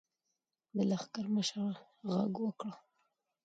د لښکر مشر غږ وکړ.